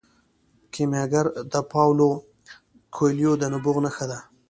کیمیاګر د پاولو کویلیو د نبوغ نښه ده.